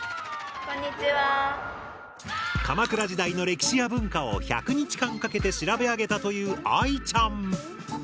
鎌倉時代の歴史や文化を１００日間かけて調べ上げたというあいちゃん。